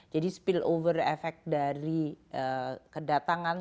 jadi spillover effect dari kedatangan